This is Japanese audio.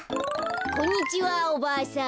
こんにちはおばあさん。